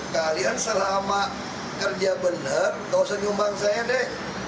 kalian selama kerja benar gak usah nyumbang saya deh